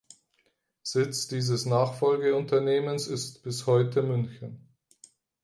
Sitz dieses Nachfolge-Unternehmens ist bis heute München.